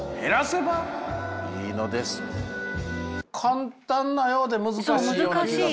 簡単なようで難しいような気がする。